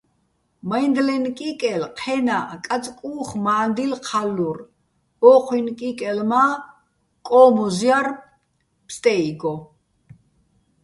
მაჲნდლენ კიკელ ჴენაჸ, კაწკუ́ხ მა́ნდილ ჴალლურ, ო́ჴუჲნ კიკელ მა́ კო́მუზ ჲარ ფსტე́იგო.